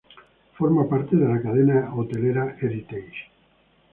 Forma parte de la cadena hotelera Heritage.